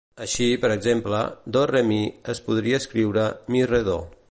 Així, per exemple, "do-re-mi" es podria escriure "mi-re-do".